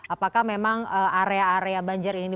apakah memang area area banjir ini